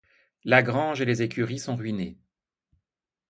La grange et les écuries sont ruinées.